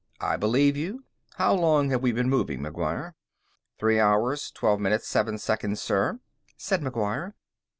"I believe you. How long have we been moving, McGuire?" "Three hours, twelve minutes, seven seconds, sir," said McGuire.